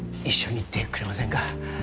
一緒に行ってくれませんか？